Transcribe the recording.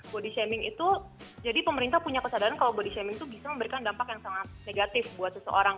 body shaming itu jadi pemerintah punya kesadaran kalau body shaming itu bisa memberikan dampak yang sangat negatif buat seseorang